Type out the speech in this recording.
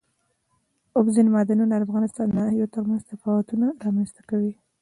اوبزین معدنونه د افغانستان د ناحیو ترمنځ تفاوتونه رامنځ ته کوي.